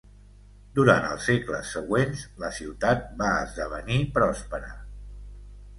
Durant els segles següents, la ciutat va esdevenir pròspera.